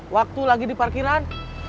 waktu lagi di parkiran